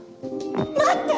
待って！